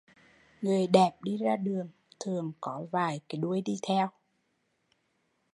Người đẹp đi ra đường thường có vài cái đuôi đi theo